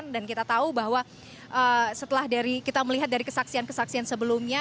dan kita tahu bahwa setelah dari kita melihat dari kesaksian kesaksian sebelumnya